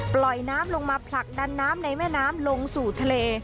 ปล่อยน้ำลงมาผลักดันน้ำในแม่น้ำลงสู่ทะเล